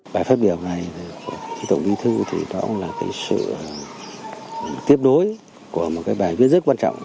bài phát biểu này của tổng bí thư nguyễn phú trọng là sự tiếp đối của một bài viết rất quan trọng